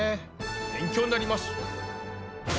勉強になります！